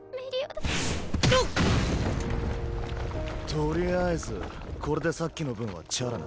とりあえずこれでさっきの分はチャラな。